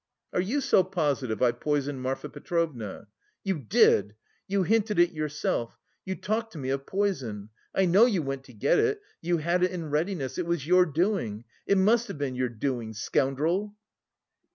"Are you so positive I poisoned Marfa Petrovna?" "You did! You hinted it yourself; you talked to me of poison.... I know you went to get it... you had it in readiness.... It was your doing.... It must have been your doing.... Scoundrel!"